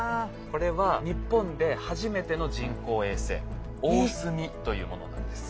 これは日本で初めての人工衛星「おおすみ」というものなんです。